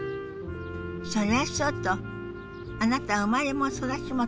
それはそうとあなた生まれも育ちも東京なのね。